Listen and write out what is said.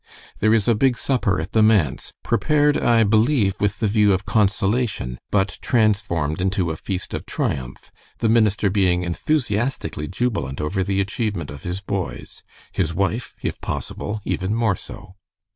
"There is a big supper at the manse, prepared, I believe, with the view of consolation, but transformed into a feast of triumph, the minister being enthusiastically jubilant over the achievement of his boys, his wife, if possible, even more so.